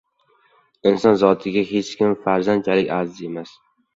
Inson zotiga hech kim farzandchalik aziz emas.